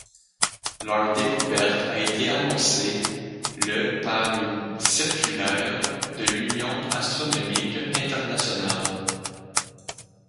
Leur découverte a été annoncée le par une circulaire de l'Union astronomique internationale.